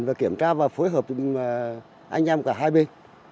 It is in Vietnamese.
và kiểm tra và phối hợp với anh em cả hai bên